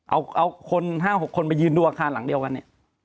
เอา๕๖คนไปยืนดูอาคารหลังเดียวกัน